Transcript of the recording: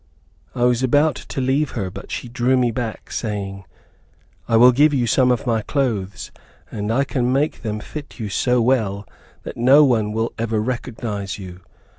I was about to leave her, but she drew me back saying, "I will give you some of my clothes, and I can make them fit you so well that no one will ever recognize you.